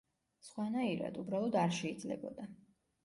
სხვანაირად, უბრალოდ არ შეიძლებოდა.